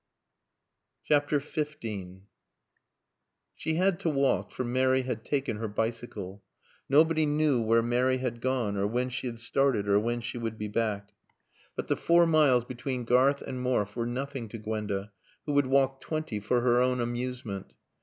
XV She had to walk, for Mary had taken her bicycle. Nobody knew where Mary had gone or when she had started or when she would be back. But the four miles between Garth and Morfe were nothing to Gwenda, who would walk twenty for her own amusement.